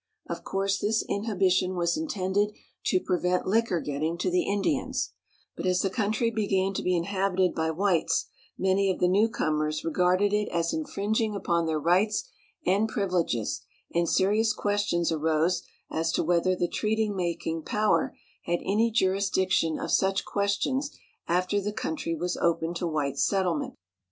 Of course, this inhibition was intended to prevent liquor getting to the Indians, but as the country began to be inhabited by whites, many of the new comers regarded it as infringing upon their rights and privileges, and serious questions arose as to whether the treaty making power had any jurisdiction of such questions after the country was opened to white settlement.